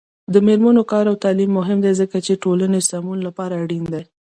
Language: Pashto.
د میرمنو کار او تعلیم مهم دی ځکه چې ټولنې سمون لپاره اړین دی.